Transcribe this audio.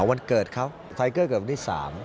วันเกิดเขาไทเกอร์เกิดวันที่๓